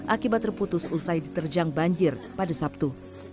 akibat terputus usai diterjang banjir pada sabtu